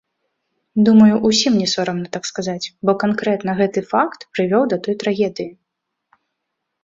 Думаю, усім не сорамна так сказаць, бо канкрэтна гэты факт прывёў да той трагедыі.